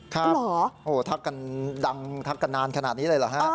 ครับทักกันดังทักกันนานขนาดนี้เลยเหรอฮะ